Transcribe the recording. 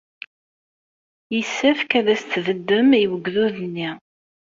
Yessefk ad as-tbeddem i wegrud-nni.